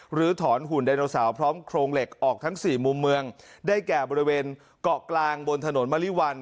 หรือถอนหุ่นไดโนเสาร์พร้อมโครงเหล็กออกทั้งสี่มุมเมืองได้แก่บริเวณเกาะกลางบนถนนมริวัล